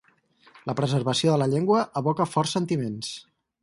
La preservació de la llengua evoca forts sentiments.